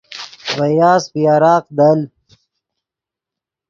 ڤے یاسپ یراق دل